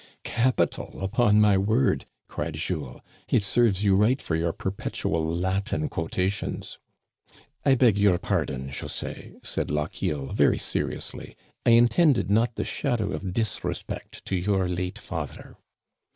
" Capital, upon my word !" cried Jules. " It serves you right for your perpetual Latin quotations !"I beg your pardon, José,*' said Lochiel, very seri ously. "I intended not the shadow of disrespect to your late father."